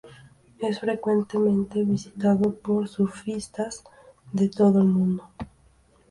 Es frecuentemente visitado por surfistas de todo el mundo.